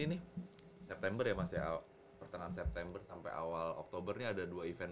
ini nih september ya masih awal pertengahan september sampai awal oktober ada dua event